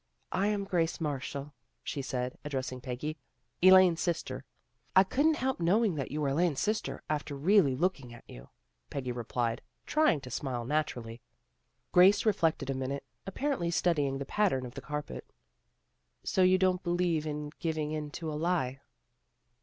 " I'm Grace Marshall," she said, ad dressing Peggy. " Elaine's sister." " I couldn't help knowing that you were Elaine's sister, after really looking at you," Peggy replied, trying to smile naturally. Grace reflected a minute, apparently studying the pattern of the carpet. " So you don't believe in giving in to a lie."